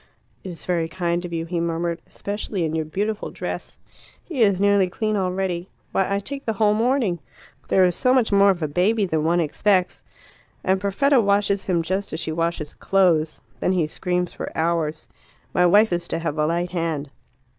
"It is very kind of you," he murmured, "especially in your beautiful dress. He is nearly clean already. Why, I take the whole morning! There is so much more of a baby than one expects. And Perfetta washes him just as she washes clothes. Then he screams for hours. My wife is to have a light hand.